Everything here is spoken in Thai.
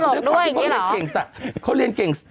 เนียมด้วยตลกด้วยอย่างนี้หรอ